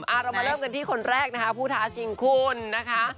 เรามาเริ่มกันที่คนแรกนะคะผู้ท้าชิงคุณนะคะ